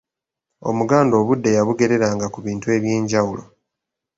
Omuganda obudde yabugereranga ku bintu eby'enjawulo.